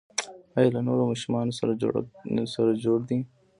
ایا له نورو ماشومانو سره جوړ دي؟